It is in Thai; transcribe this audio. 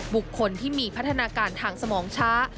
บุคคลที่มีพัฒนาการทางสมองช้า